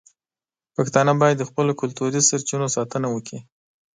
پښتانه باید د خپلو کلتوري سرچینو ساتنه وکړي.